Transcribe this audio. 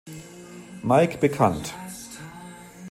Mike bekannt.